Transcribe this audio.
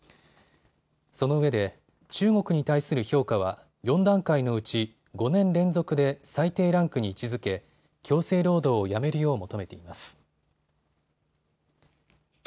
そのうえで中国に対する評価は４段階のうち５年連続で最低ランクに位置づけ強制労働をやめるよう求めています。